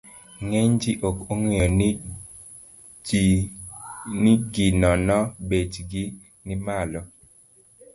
Ng'eny ji ok ong'eyo ni gi nono bechgi ni malo.